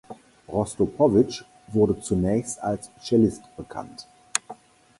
Rostropowitsch wurde zunächst als Cellist bekannt.